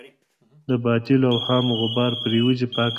د باطلو اوهامو غبار پرېوځي پاکه راشه.